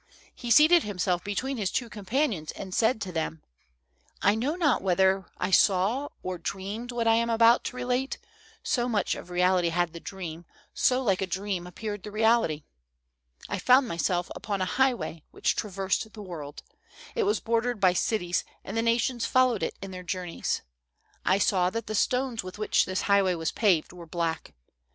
He seated him self between his two companions and said to them : ''I know not whether I saw or dreamed what I am about to relate, so much of reality had the dream, so like a dream appeared the reality. "I found myself upon a highway which traversed the world. It was bordered by cities, and the nations fol lowed it in their journeys. ''I saw that the stones with which this highway was paved were black.